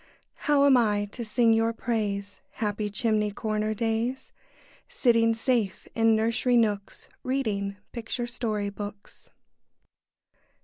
How am I to sing your praise, Happy chimney corner days, Sitting safe in nursery nooks, Reading picture story books?